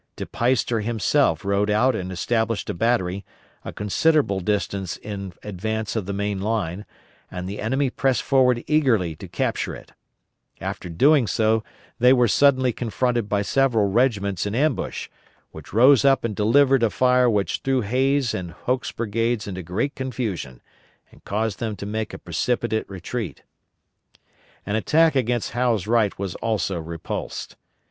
De Peyster himself rode out and established a battery, a considerable distance in advance of the main line, and the enemy pressed forward eagerly to capture it; after doing so they were suddenly confronted by several regiments in ambush, which rose up and delivered a fire which threw Hays' and Hoke's brigades into great confusion, and caused them to make a precipitate retreat. An attack against Howe's right was also repulsed.